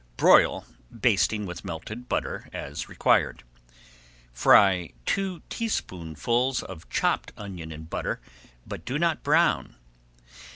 Broil, basting with melted butter as required. Fry two teaspoonfuls of chopped onion in butter, but do not brown.